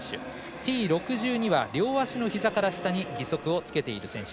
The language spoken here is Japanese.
Ｔ６２は両足のひざから下に義足をつけている選手。